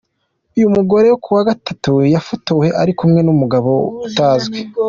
Uyu mugore kuwa gatatu yafotowe ari kumwe n’umugabo utazwi.